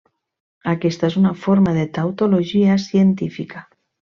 Aquesta és una forma de tautologia científica.